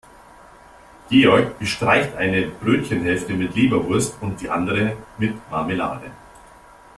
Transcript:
Georg bestreicht eine Brötchenhälfte mit Leberwurst und die andere mit Marmelade.